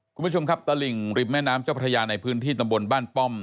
คุณผู้ชมครับตลิ่งริมแม่น้ำเจ้าพระยาในพื้นที่ตำบลบ้านป้อม